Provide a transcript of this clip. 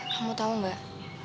kamu tau gak